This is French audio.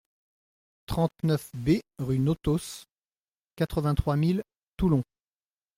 trente-neuf B rue Notos, quatre-vingt-trois mille Toulon